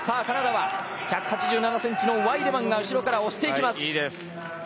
カナダは１８７ｃｍのワイデマンが後ろから押していきます。